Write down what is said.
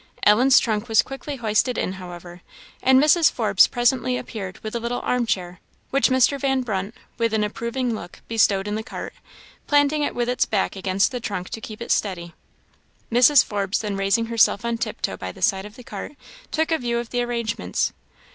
Ellen's trunk was quickly hoisted in, however; and Mrs. Forbes presently appeared with a little arm chair, which Mr. Van Brunt, with an approving look, bestowed in the cart, planting it with its back against the trunk to keep it steady. Mrs. Forbes then raising herself on tiptoe by the side of the cart, took a view of the arrangements.